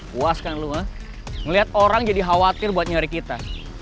kuas kan lu ngeliat orang jadi khawatir buat nyari kita